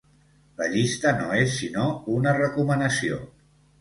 La llista no és sinó una recomanació.